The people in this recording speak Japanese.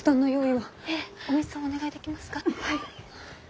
はい！